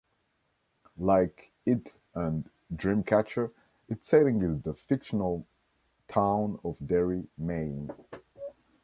Like "It" and "Dreamcatcher", its setting is the fictional town of Derry, Maine.